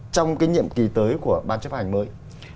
trong cái nhiệm kỳ tới của ban chấp hành mới